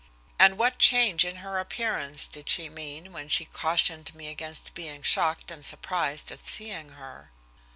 And what change in her appearance did she mean when she cautioned me against being shocked and surprised at seeing her?